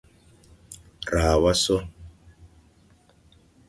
Raa wa sɔ.